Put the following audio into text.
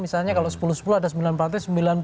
misalnya kalau sepuluh sepuluh ada sembilan partai